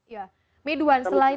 ya mitwan selain